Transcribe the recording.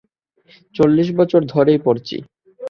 চল্লিশ বছর ধরেই পড়ছি।